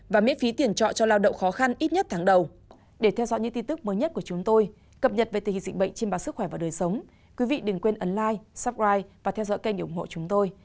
và miễn phí tiền trọ cho lao động khó khăn ít nhất tháng đầu